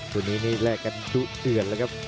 คู่นี้นี่แลกกันดุเดือดแล้วครับ